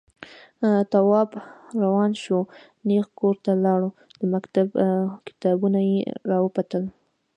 تواب روان شو، نېغ کور ته لاړ، د مکتب کتابونه يې راوپلټل.